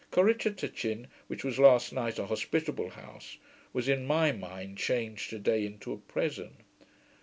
Corrichatachin, which was last night a hospitable house, was, in my mind, changed to day into a prison.